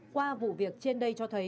qua vụ việc trên đây cho thấy